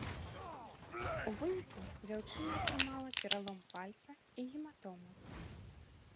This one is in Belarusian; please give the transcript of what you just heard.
У выніку дзяўчына атрымала пералом пальца і гематому.